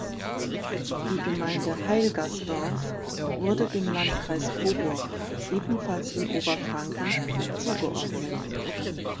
Die Gemeinde Heilgersdorf wurde dem Landkreis Coburg, ebenfalls in Oberfranken, zugeordnet.